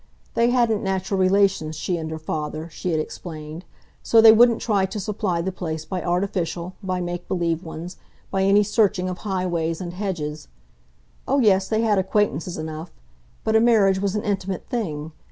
They hadn't natural relations, she and her father, she had explained; so they wouldn't try to supply the place by artificial, by make believe ones, by any searching of highways and hedges. Oh yes, they had acquaintances enough but a marriage was an intimate thing.